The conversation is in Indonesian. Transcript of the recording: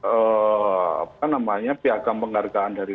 apa namanya piagam penghargaan dari